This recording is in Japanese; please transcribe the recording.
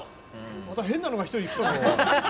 また変なのが１人来たよ。